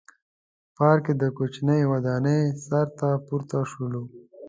پارک کې د کوچنۍ ودانۍ سر ته پورته شولو.